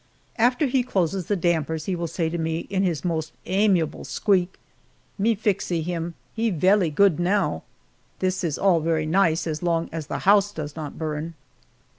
After he closes the dampers he will say to me in his most amiable squeak, "Me flixee him he vellee glood now." This is all very nice as long as the house does not burn.